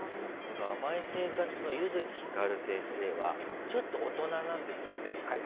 この「甘い生活」の弓月光先生はちょっと大人なんですよね。